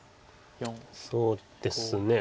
そうですね。